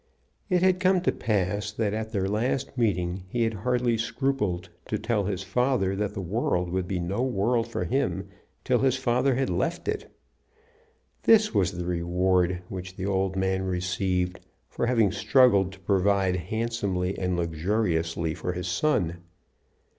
It had come to pass that at their last meeting he had hardly scrupled to tell his father that the world would be no world for him till his father had left it. This was the reward which the old man received for having struggled to provide handsomely and luxuriously for his son!